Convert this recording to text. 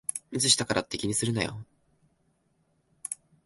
ミスしたからって気にするなよ